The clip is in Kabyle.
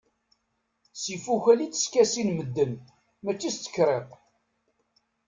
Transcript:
S ifukal i tteskasin medden, mačči s tekriṭ...